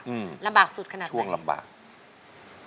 บ๊วยบ๊วยหลังถึงลำบากสุดขนาดไหนชั่วเวลายากลำบาก